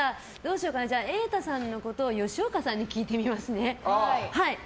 瑛太さんのことを吉岡さんに聞いてみますね。